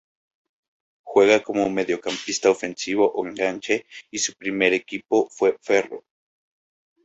Juega como mediocampista ofensivo o enganche y su primer equipo fue Ferro.